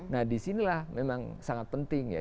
nah disinilah memang sangat penting ya